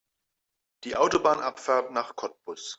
Die Autobahnabfahrt nach Cottbus